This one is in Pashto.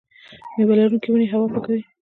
میوه لرونکې ونې هوا پاکوي.